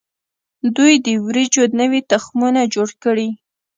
دوی د وریجو نوي تخمونه جوړ کړي.